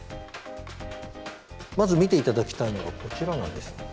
まず見て頂きたいのがこちらなんです。